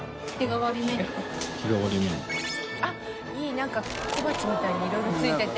何か小鉢みたいにいろいろ付いてて。